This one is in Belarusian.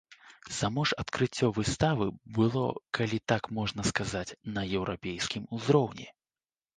Само ж адкрыццё выставы было, калі так можна сказаць, на еўрапейскім узроўні.